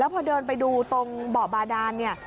แล้วพอเดินไปดูตรงบ่อบาดาน